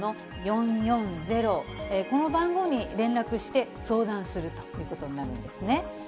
この番号に連絡して、相談するということになるんですね。